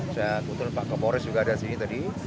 saya kebetulan pak kapolres juga ada di sini tadi